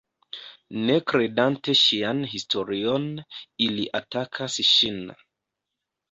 Ne kredante ŝian historion, ili atakas ŝin.